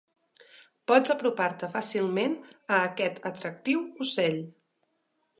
Pots apropar-te fàcilment a aquest atractiu ocell.